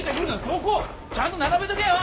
そこ！ちゃんと並べとけよ！